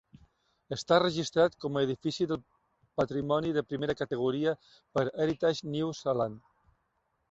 Està registrat com a edifici de patrimoni de primera categoria per Heritage New Zealand.